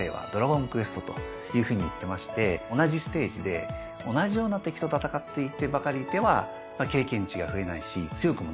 というふうに言ってまして同じステージで同じような敵と戦ってばかりいては経験値が増えないし強くもなれないと。